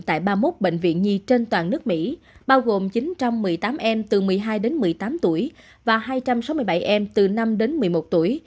tại ba mươi một bệnh viện nhi trên toàn nước mỹ bao gồm chín trăm một mươi tám em từ một mươi hai đến một mươi tám tuổi và hai trăm sáu mươi bảy em từ năm đến một mươi một tuổi